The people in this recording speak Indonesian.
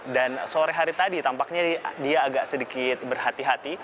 dan sore hari tadi tampaknya dia agak sedikit berhati hati